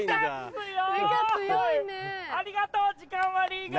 ありがとう時間割リーグ！